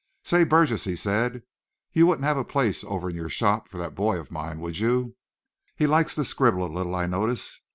"Say, Burgess," he said, "you wouldn't have a place over in your shop for that boy of mine, would you? He likes to scribble a little, I notice.